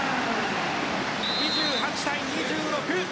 ２８対２６！